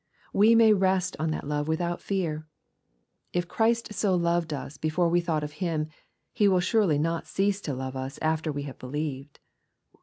We may rest on that love without fear. If Christ so loved us before we thought of Him, He will surely not cease to love us after we have believed.